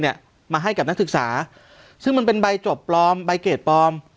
มาให้กับนักศึกษาซึ่งมันเป็นใบจบปลอมใบเกรดปลอม